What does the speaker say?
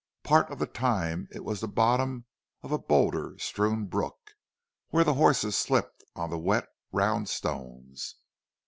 Part of the time it was the bottom of a boulder strewn brook where the horses slipped on the wet, round stones.